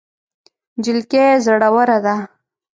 نجلۍ زړوره ده.